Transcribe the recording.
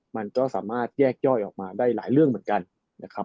มันก็สามารถแยกย่อยออกมาได้หลายเรื่องเหมือนกันนะครับ